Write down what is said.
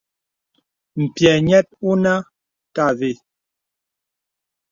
M̀pyɛ̌ nyɛ̄t onə nte avə.